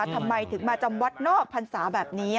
ทำไมถึงมาจำวัดนอกพรรษาแบบนี้